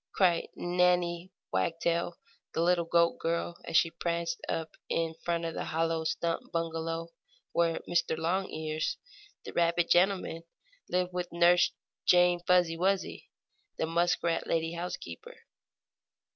cried Nannie Wagtail, the little goat girl, as she pranced up in front of the hollow stump bungalow where Mr. Longears, the rabbit gentleman, lived with Nurse Jane Fuzzy Wuzzy, the muskrat lady housekeeper.